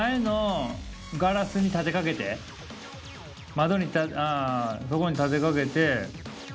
窓にあそこに立てかけて。